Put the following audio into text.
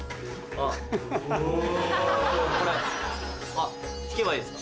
あっ引けばいいですか？